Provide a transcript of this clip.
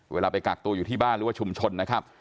เวลาไปกักตัวอยู่ที่บ้านหรือว่าชุมชนนะครับ